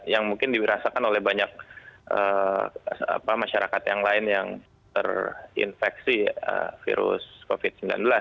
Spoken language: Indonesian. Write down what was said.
yang mungkin dirasakan oleh banyak masyarakat yang lain yang terinfeksi virus covid sembilan belas